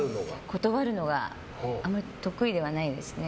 断るのがあまり得意ではないですね。